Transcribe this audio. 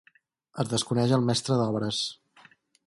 Es desconeix el mestre d'obres.